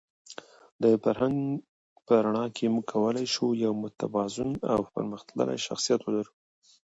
د فرهنګ په رڼا کې موږ کولای شو یو متوازن او پرمختللی شخصیت ولرو.